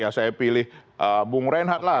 ya saya pilih bung reinhardt lah